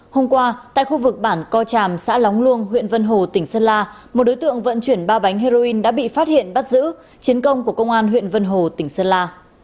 hôm qua tại khu vực bản co tràm xã lóng luông huyện vân hồ tỉnh sơn la một đối tượng vận chuyển ba bánh heroin đã bị phát hiện bắt giữ chiến công của công an huyện vân hồ tỉnh sơn la